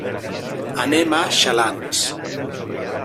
Anem a Xalans.